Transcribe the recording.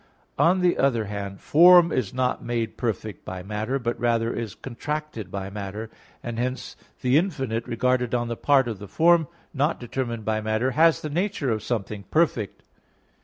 On the other hand, form is not made perfect by matter, but rather is contracted by matter; and hence the infinite, regarded on the part of the form not determined by matter, has the nature of something perfect.